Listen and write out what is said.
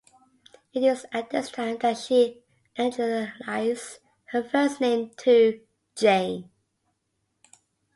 It is at this time that she anglicised her first name to "Jane".